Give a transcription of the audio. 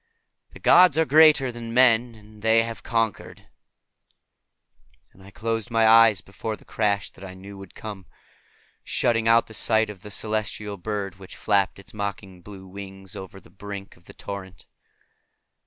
The gods are greater than men, and they have conquered." And I closed my eyes before the crash that I knew would come, shutting out the sight of the celestial bird which flapped its mocking blue wings over the brink of the torrent.